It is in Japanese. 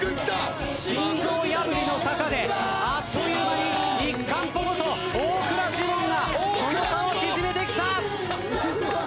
心臓破りの坂であっという間に一完歩ごと大倉士門がその差を縮めてきた！